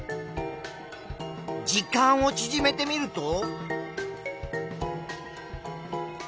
時間をちぢめてみると。